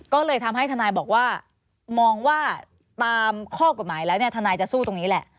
ก็เลยทำให้ทนายบอกว่ามองว่าตามข้อกฎหมายแล้วเนี่ยทนายจะสู้ตรงนี้แหละ